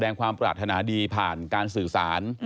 สดังความปลาธนาดีผ่านการสื่อสาร